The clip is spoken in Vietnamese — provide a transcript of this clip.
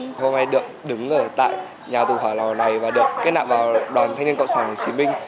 chúng tôi được đứng ở tại nhà tù hỏa lò này và được kết nạp vào đoàn thanh niên cộng sản hồ chí minh